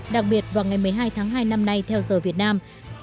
đặc biệt vào ngày một mươi hai tháng hai năm nay theo giờ việt nam